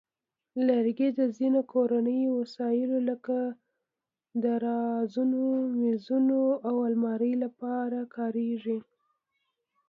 لرګي د ځینو کورني وسایلو لکه درازونو، مېزونو، او المارۍ لپاره کارېږي.